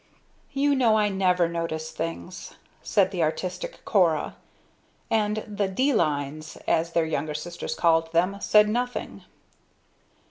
"You know I never notice things," said the artistic Cora; and "the de lines," as their younger sisters called them, said nothing.